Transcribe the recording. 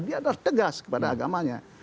dia harus tegas kepada agamanya